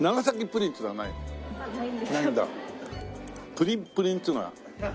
「プリンプリン」っつうのは？